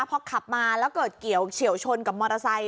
พอขับมาแล้วเกิดเกี่ยวเฉียวชนกับมอเตอร์ไซค